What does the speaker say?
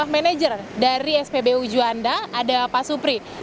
manager dari spbu juanda ada pak supri